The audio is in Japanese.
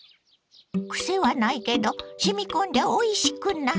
クセはないけどしみこんでおいしくなる。